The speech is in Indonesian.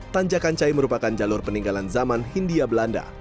tanjakan cai merupakan jalur peninggalan zaman hindia belanda